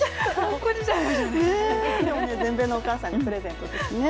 全米のお母さんにプレゼントですね。